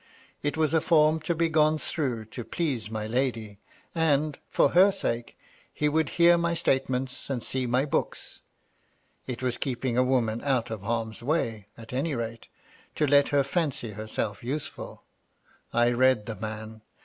It was a form to be gone through to please my lady, and, for her sake, he would hear my statements and see my booka It was keeping a woman out of harm's way, at any rate, to let her fancy herself useful. I read the man.